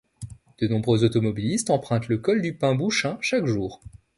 De nombreux automobilistes empruntent le col du Pin Bouchain chaque jour.